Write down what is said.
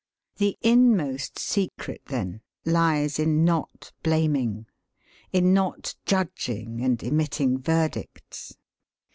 The inmost secret, then, lies in not blaming, in not judging and emitting verdicts.